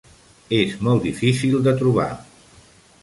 És molt difícil de trobar.